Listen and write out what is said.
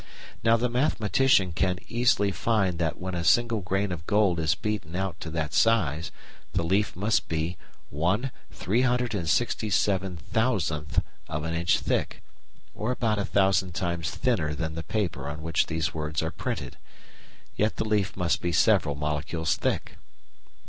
Now the mathematician can easily find that when a single grain of gold is beaten out to that size, the leaf must be 1/367,000 of an inch thick, or about a thousand times thinner than the paper on which these words are printed; yet the leaf must be several molecules thick.